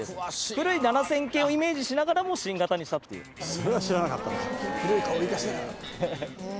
古い７０００系をイメージしながらも新型にしそれは知らなかった。